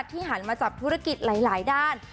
หันมาจับธุรกิจหลายด้าน